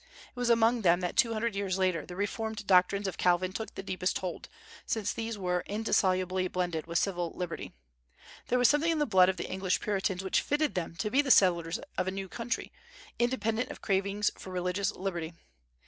It was among them that two hundred years later the reformed doctrines of Calvin took the deepest hold, since these were indissolubly blended with civil liberty. There was something in the blood of the English Puritans which fitted them to be the settlers of a new country, independent of cravings for religious liberty.